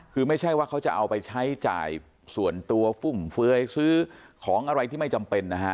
คือไม่ใช่ว่าเขาจะเอาไปใช้จ่ายส่วนตัวฟุ่มเฟือยซื้อของอะไรที่ไม่จำเป็นนะฮะ